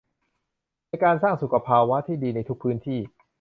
ในการสร้างสุขภาวะที่ดีในทุกพื้นที่